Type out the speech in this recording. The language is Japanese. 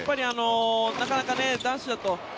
なかなか男子だと。